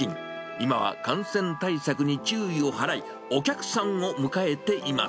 今は感染対策に注意を払い、お客さんを迎えています。